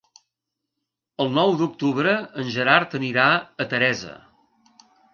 El nou d'octubre en Gerard anirà a Teresa.